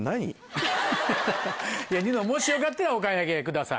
ハハハニノもしよかったらお買い上げください。